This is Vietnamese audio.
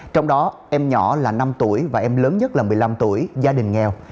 trong đó em nhỏ là năm tuổi và em lớn nhất là một mươi năm tuổi gia đình nghèo